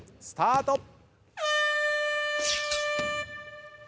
スタート。